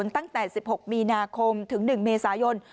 ตั้งแต่๑๖มีนาคมถึง๑เมษายน